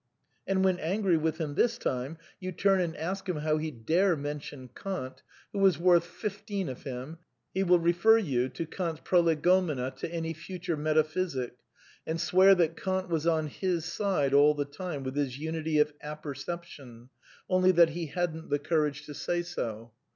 And when angry with him, this time, you turn and ask SOME QUESTIONS OF METAPHYSICS 119 him how he dare mention Kant, who was worth fifteen of him, he will refer you to Kant's Prolegomena to any Future Metaphysic, and swear that Kant was on his side ^^> ^all the time with his unity of apperception, only that he ^ hadn't the courage to say so.